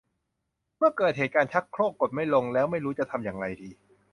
เมื่อเกิดเหตุการณ์ชักโครกกดไม่ลงแล้วไม่รู้จะทำอย่างไรดี